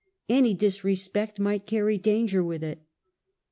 Any disrespect might carry danger with it.